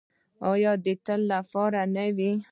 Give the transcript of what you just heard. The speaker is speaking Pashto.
آیا د تل لپاره نه وي؟